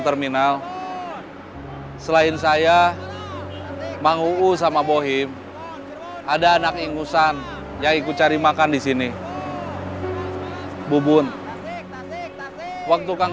semarang semarang semarang